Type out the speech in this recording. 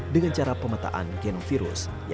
dengan cara pemerintah yang berhasil menemukan virus hidup